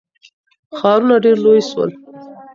ښارونه ډیر لوی سول.